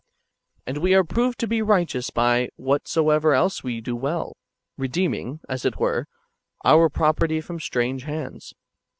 "^ And we are proved to be righteous by whatsoever else we do well, redeeming, as it were, our pro perty from strange hands.